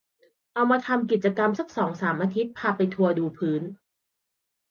เอามาทำกิจกรรมสักสองสามอาทิตย์ พาไปทัวร์ดูพื้น